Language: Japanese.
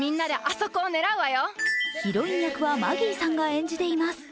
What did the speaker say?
ヒロイン役はマギーさんが演じています。